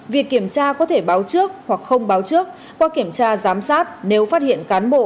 việc kiểm tra có thể báo trước hoặc không báo trước qua kiểm tra giám sát nếu phát hiện cán bộ